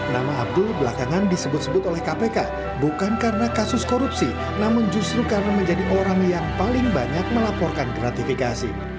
nama abdul belakangan disebut sebut oleh kpk bukan karena kasus korupsi namun justru karena menjadi orang yang paling banyak melaporkan gratifikasi